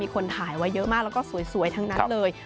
คนถ่ายไว้เยอะมากแล้วก็สวยทั้งนั้นเลย